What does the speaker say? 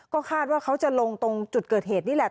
ก็คาดว่าเขาจะลงตรงจุดเกิดเหตุนี่แหละ